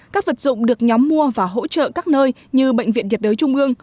các vật dụng được nhóm mua và hỗ trợ các nơi như bệnh viện diệt đới trung ương